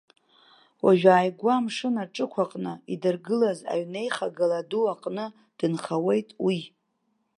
Уажәы ааигәа амшын аҿықәаҟны идыргылаз аҩнеихагыла ду аҟны дынхауеит уи.